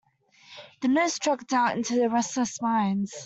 The news struck doubt into restless minds.